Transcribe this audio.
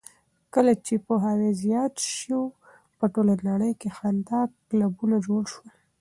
کله چې پوهاوی زیات شو، په ټوله نړۍ کې خندا کلبونه جوړ شول.